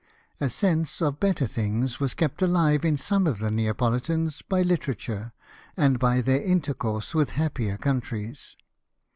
A sense of better things was kept alive in some of the Neapoli tans by literature, and by their intercourse Avith happier countries.